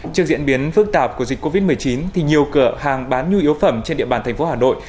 trước diễn biến phức tạp của dịch covid một mươi chín thì nhiều cửa hàng bán nhu yếu phẩm trên địa bàn thành phố hà nội